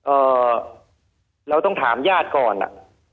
เอ่อเราต้องถามญาติก่อนอ่ะ